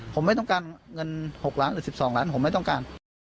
ผมไม่ต้องการเงิน๖ล้านหรือ๑๒ล้านผมไม่ต้องการ